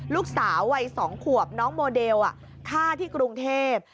ลูกสาววัย๒ขวบน้องโมเดลฆ่าที่กรุงเทพ